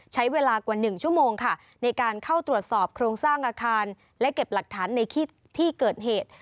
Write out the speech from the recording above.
ใช้เวลากว่า๑ชั่วโมงค่ะในการเข้าตรวจสอบโครงสร้างอาคารและเก็บหลักฐานในที่เกิดเหตุ